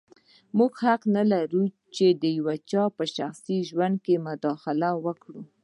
موږ حق نه لرو چې د یو چا په شخصي ژوند کې مداخله وکړو.